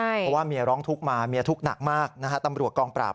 เพราะว่าเมียร้องทุกข์มาเมียทุกข์หนักมากนะฮะตำรวจกองปราบ